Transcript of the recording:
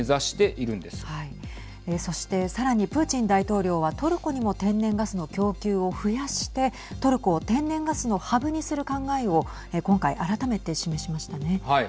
そして、さらにプーチン大統領はトルコにも天然ガスの供給を増やしてトルコを天然ガスのハブにする考えを今回、改めて示しましたね。